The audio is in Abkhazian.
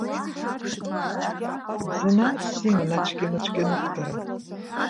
Занааҭс иман ацәгьа-мыцәгьа ныҟәгара.